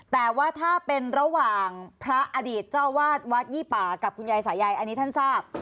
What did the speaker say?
แต่ว่าถ้าเป็นระหว่างพระอดีตเจ้าวาดวัดยี่ป่ากับคุณยายสายัยอันนี้ท่านทราบ